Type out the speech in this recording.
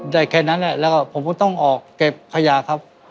ได้แค่นั้นแหละแล้วก็ผมก็ต้องออกเก็บขยะครับ